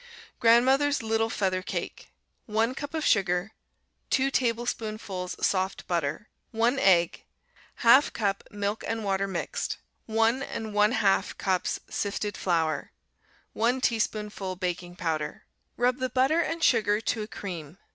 Grandmother's Little Feather Cake 1 cup of sugar. 2 tablespoonfuls soft butter. 1 egg. 1/2 cup milk and water mixed. 1 1/2 cups sifted flour. 1 teaspoonful baking powder. Rub the butter and sugar to a cream.